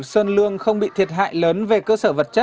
các đơn vị trường ở sơn lương không bị thiệt hại lớn về cơ sở vật chất